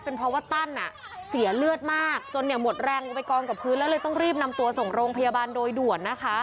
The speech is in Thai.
เพราะว่าตั้นเสียเลือดมากจนหมดแรงลงไปกองกับพื้นแล้วเลยต้องรีบนำตัวส่งโรงพยาบาลโดยด่วนนะคะ